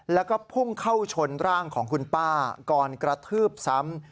แล้วก็พุ่งเข้าชนร่างของคุณป้าก่อนกระทืบซ้ำ